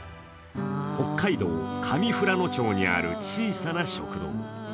北海道上富良野町にある小さな食堂。